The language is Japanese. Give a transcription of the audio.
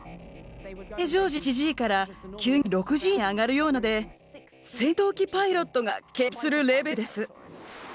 平常時の１Ｇから急激に６Ｇに上がるようなもので戦闘機パイロットが経験するレベルです。